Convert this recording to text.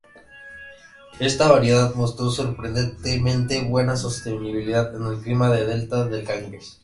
Esta variedad mostró sorprendentemente buena sostenibilidad en el clima del delta del Ganges.